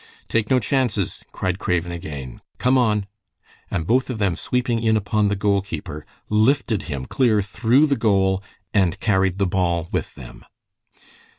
"Take no chances," cried Craven again. "Come on!" and both of them sweeping in upon the goal keeper, lifted him clear through the goal and carried the ball with them.